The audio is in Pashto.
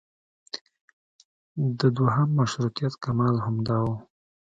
د دویم مشروطیت کمال همدا و.